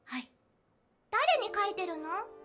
誰に書いてるの？